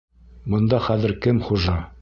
Бында хәҙер кем хужа?